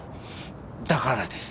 だからです。